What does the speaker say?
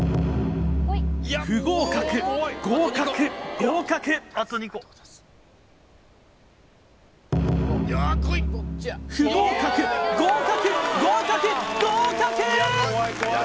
不合格合格合格不合格合格合格合格！